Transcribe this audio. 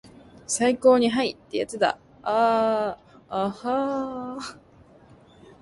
最高にハイ!ってやつだアアアアアアハハハハハハハハハハーッ